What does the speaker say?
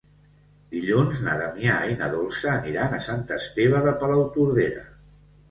Dilluns na Damià i na Dolça aniran a Sant Esteve de Palautordera.